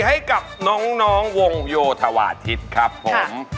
ให้กับน้องวงโยธวาทิศครับผม